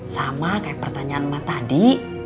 sama kayak pertanyaan mbak tadi